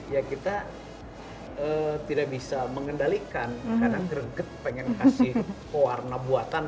ya kita tidak bisa mengendalikan kadang kreget pengen kasih pewarna buatan